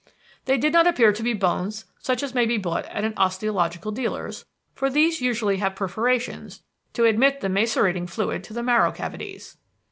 "They did not appear to be bones such as may be bought at an osteological dealer's, for these usually have perforations to admit the macerating fluid to the marrow cavities.